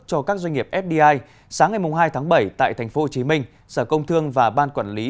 cho các doanh nghiệp fdi sáng ngày hai tháng bảy tại tp hcm sở công thương và ban quản lý